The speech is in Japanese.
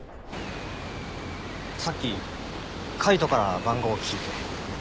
さっき海斗から番号聞いて。